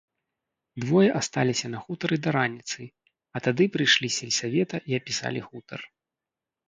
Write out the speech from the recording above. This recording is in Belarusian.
Двое асталіся на хутары да раніцы, а тады прыйшлі з сельсавета і апісалі хутар.